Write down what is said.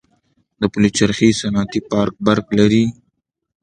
د پلچرخي صنعتي پارک برق لري؟